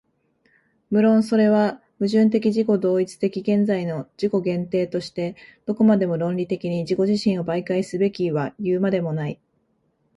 無論それは矛盾的自己同一的現在の自己限定としてどこまでも論理的に自己自身を媒介すべきはいうまでもない。